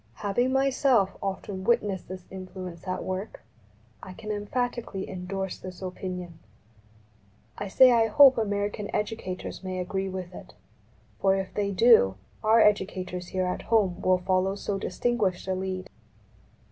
Having myself often witnessed this influence at work, I can em phatically indorse this opinion. I say I hope PREFACE xi American educators may agree with it, for if they do our educators here at home will follow so dis tinguished a lead.